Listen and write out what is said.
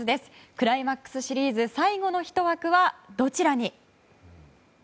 クライマックスシリーズ最後のひと枠はどちらに。